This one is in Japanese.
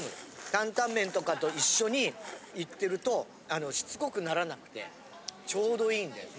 タンタンメンとかと一緒にいってるとしつこくならなくてちょうどいいんだよね。